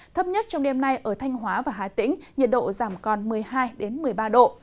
thấp nhất trong đêm nay ở thanh hóa và hà tĩnh nhiệt độ giảm còn một mươi hai một mươi ba độ